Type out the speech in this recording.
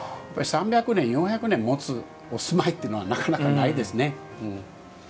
３００年、４００年もつ住まいというのはなかなかないですね。